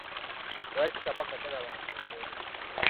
Lwaki Kabaka talaba ku njole?